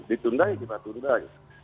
ditundai kita tundai